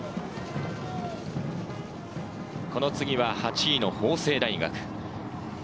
この次は８位の法政大学。